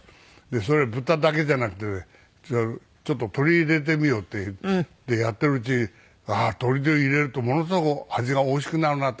それを豚だけじゃなくてちょっと鶏入れてみようってやっているうちにあっ鶏入れるとものすごく味がおいしくなるなと。